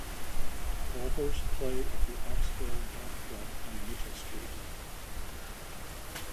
Golfers play at the Axedale Golf Club on Mitchell Street.